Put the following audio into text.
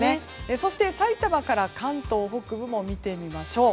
そして、さいたまから関東北部も見てみましょう。